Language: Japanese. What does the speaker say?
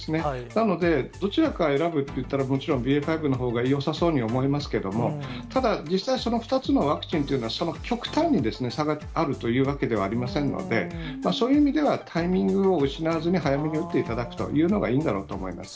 なので、どちらか選ぶっていったら、もちろんＢＡ．５のほうがよさそうに思いますけれども、ただ、実際その２つのワクチンというのは、極端に差があるというわけではありませんので、そういう意味ではタイミングを失わずに、早めに打っていただくというのがいいんだろうと思います。